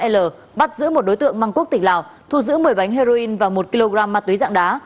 l bắt giữ một đối tượng mang quốc tịch lào thu giữ một mươi bánh heroin và một kg ma túy dạng đá